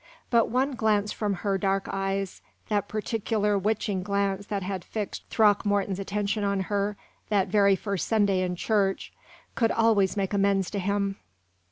But one glance from her dark eyes that peculiar witching glance that had fixed Throckmorton's attention on her that very first Sunday in church could always make amends to him.